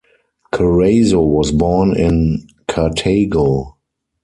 Carazo was born in Cartago.